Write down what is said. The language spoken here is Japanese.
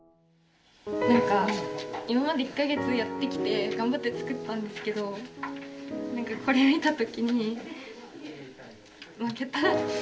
何か今まで１か月やってきて頑張って作ったんですけどこれ見た時に負けた。